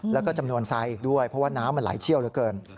แล้วก็จำนวนทรายอีกด้วยเพราะว่าน้ำมันไหลเชี่ยวเหลือเกิน